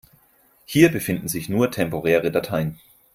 Hier befinden sich nur temporäre Dateien.